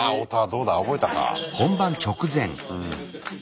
どうだ覚えたか？